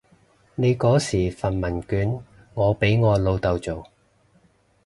你嗰時份問卷我俾我老豆做